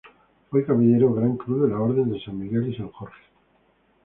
Fue caballero gran cruz de la Orden de San Miguel y San Jorge.